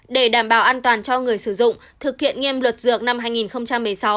để đảm bảo an toàn cho người sử dụng thực hiện nghiêm luật dược năm hai nghìn một mươi sáu